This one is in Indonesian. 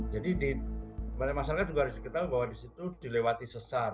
jadi masyarakat juga harus diketahui bahwa di situ dilewati sesar